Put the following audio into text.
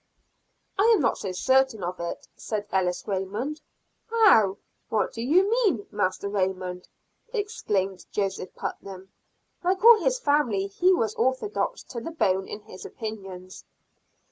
"I am not so certain of it," said Ellis Raymond. "How! What do you mean, Master Raymond?" exclaimed Joseph Putnam; like all his family, he was orthodox to the bone in his opinions.